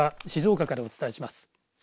静岡からお伝えします。